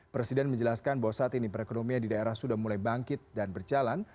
presiden menjelaskan bahwa saat ini perekonomian di daerah sudah mulai bangkit dan berjalan